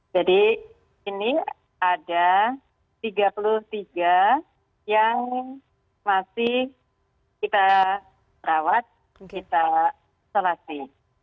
jadi ini ada tiga puluh tiga yang masih kita rawat kita selasi